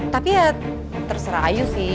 tapi ya terserah aja sih